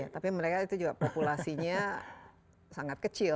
tapi mereka itu juga populasinya sangat kecil